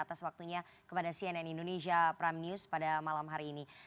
atas waktunya kepada cnn indonesia prime news pada malam hari ini